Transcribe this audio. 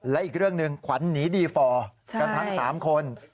และอีกเรื่องหนึ่งขวัญหนีดีฟอร์กันทั้ง๓คน